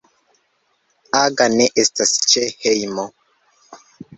Aga ne estas ĉe hejmo.